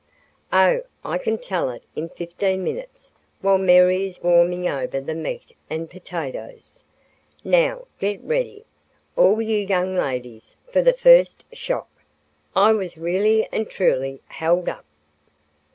"Oh, I can tell it in fifteen minutes while Mary is warming over the meat and potatoes. Now, get ready, all you young ladies, for the first shock. I was really and truly held up."